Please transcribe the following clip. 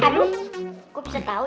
aku bisa tau ya